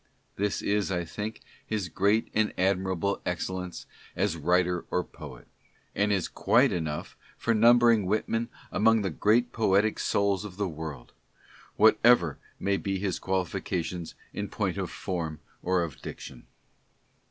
This is, I think, his great and admirable excellence as writer or poet ; and is quite enough for numbering Whitman among the great poetic souls of the world — whatever may be his qualifications in point of form or of diction.